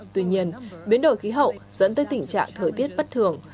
tuy nhiên biến đổi khí hậu dẫn tới tình trạng thời tiết bất thường